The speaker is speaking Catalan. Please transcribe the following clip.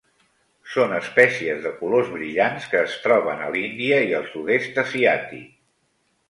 Són espècies de colors brillants que es troben a l'Índia i al sud-est asiàtic.